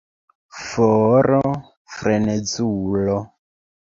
For, frenezulo!